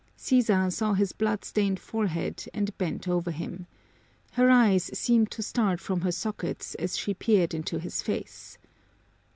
Sisa saw his blood stained forehead and bent over him. Her eyes seemed to start from their sockets as she peered into his face.